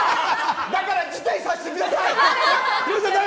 だから辞退させてください！